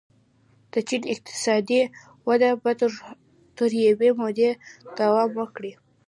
د چین اقتصادي وده به تر یوې مودې دوام وکړي.